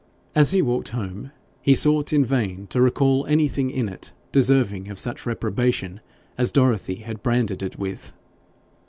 As he walked home he sought in vain to recall anything in it deserving of such reprobation as Dorothy had branded it withal.